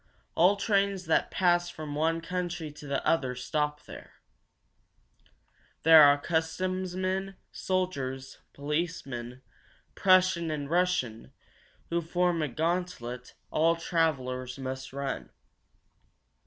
All trains that pass from one country to the other stop there. There are customs men, soldiers, policemen, Prussian and Russian, who form a gauntlet all travelers must run.